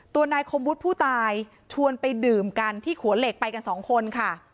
นายคมวุฒิผู้ตายชวนไปดื่มกันที่ขัวเหล็กไปกันสองคนค่ะ